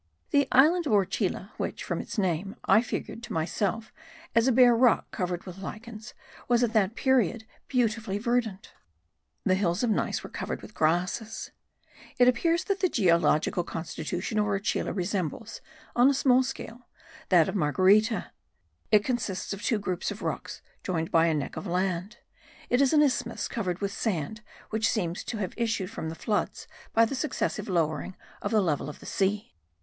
The island of Orchila which, from its name, I figured to myself as a bare rock covered with lichens, was at that period beautifully verdant. The hills of gneiss were covered with grasses. It appears that the geological constitution of Orchila resembles, on a small scale, that of Marguerita. It consists of two groups of rocks joined by a neck of land; it is an isthmus covered with sand which seems to have issued from the floods by the successive lowering of the level of the sea.